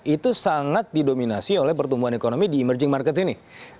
itu sangat didominasi oleh pertumbuhan ekonomi di emerging market ini